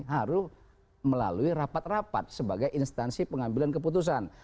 harus melalui rapat rapat sebagai instansi pengambilan keputusan